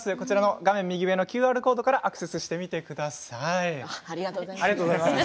画面右上のＱＲコードからアクセスしてみてください。